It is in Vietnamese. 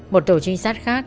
một tổ trinh sát khác